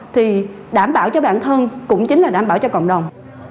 thì đảm bảo cho bản thân cũng chính là đảm bảo cho cộng đồng